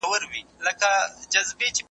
د کوټي نوم لږمړی شالکوټ و.